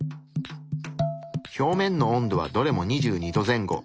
表面の温度はどれも２２℃前後。